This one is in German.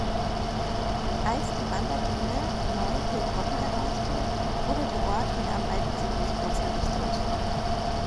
Als die Wanderdüne Neu-Pillkoppen erreichte, wurde der Ort wieder am alten Siedlungsplatz errichtet.